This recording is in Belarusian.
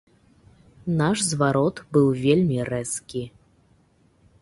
Наш зварот быў вельмі рэзкі.